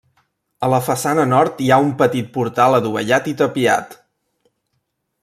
A la façana nord hi ha un petit portal adovellat i tapiat.